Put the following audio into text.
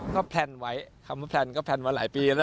ก็แพลนไว้คำว่าแพลนก็แพลนมาหลายปีแล้ว